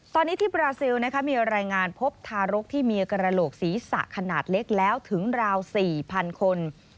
ตอนนี้ที่บราซิลมีรายงานพบทารกที่มีกระโหลกศีรษะขนาดเล็กแล้วถึงราว๔๐๐คน